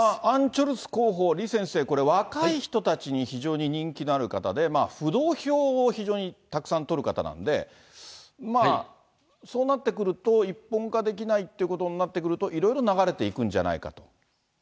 アン・チョルス候補、李先生、これ、若い人たちに非常に人気のある方で、浮動票を非常にたくさん取る方なんで、そうなってくると、一本化できないってことになってくると、いろいろ流れていくんじゃないかと。